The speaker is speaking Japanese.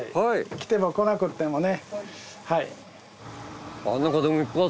来ても来なくてもね。